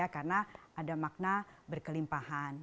karena ada makna berkelimpahan